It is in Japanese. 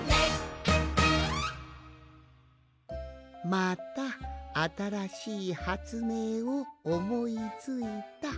「またあたらしいはつめいをおもいついた。